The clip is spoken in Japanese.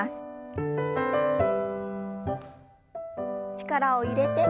力を入れて。